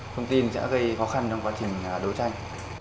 thông tin sẽ gây khó khăn trong quá trình đấu tranh